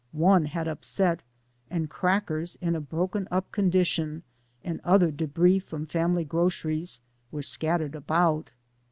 One had upset, and crackers in a broken up condition, and other debris from family groceries were scattered about.